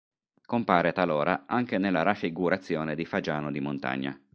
Compare talora anche nella raffigurazione di fagiano di montagna.